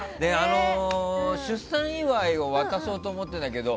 出産祝いを渡そうと思っていたけど